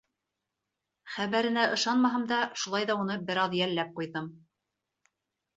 -Хәбәренә ышанмаһам да, шулай ҙа уны бер аҙ йәлләп ҡуйҙым.